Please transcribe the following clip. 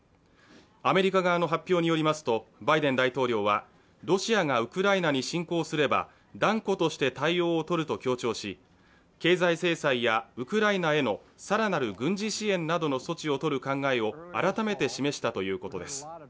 アメリカ側の発表によりますと、バイデン大統領はロシアがウクライナに侵攻すれば、断固として対応を取ると強調し、経済制裁やウクライナへの更なる軍事支援などの措置をとる考えを改めて示したということです。